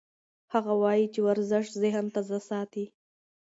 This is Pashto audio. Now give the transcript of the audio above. هغه وایي چې ورزش ذهن تازه ساتي.